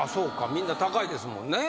みんな高いですもんね。